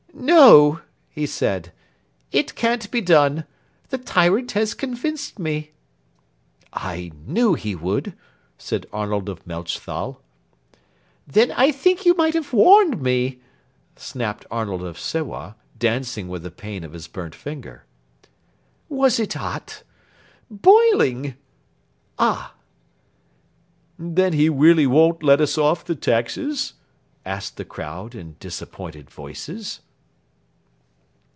"No," he said; "it can't be done. The tyrant has convinced me." "I knew he would," said Arnold of Melchthal. "Then I think you might have warned me," snapped Arnold of Sewa, dancing with the pain of his burnt finger. "Was it hot?" "Boiling." "Ah!" "Then he really won't let us off the taxes?" asked the crowd in disappointed voices.